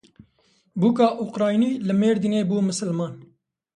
Bûka Ukraynî li Mêrdînê bû misilman.